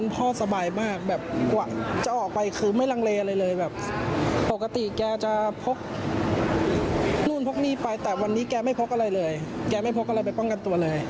ผมจะพกนู่นพกนี่ไปแต่วันนี้แกไม่พกอะไรเลยแกไม่พกอะไรไปป้องกันตัวเลย